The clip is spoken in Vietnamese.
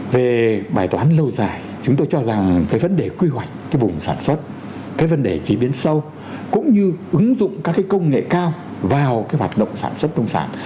về bài toán lâu dài chúng tôi cho rằng cái vấn đề quy hoạch cái vùng sản xuất cái vấn đề chế biến sâu cũng như ứng dụng các cái công nghệ cao vào cái hoạt động sản xuất nông sản